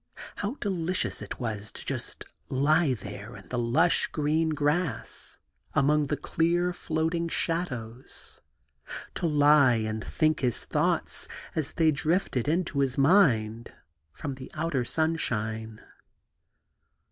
How delicious it was just to lie there in the lush green grass, among the clear, floating shadows — to lie and think his thoughts as they drifted into his mind from the outer sunshine.